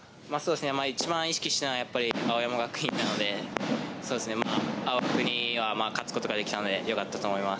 一番意識したの青山学院なので、青学に勝つことができたのでよかったと思います。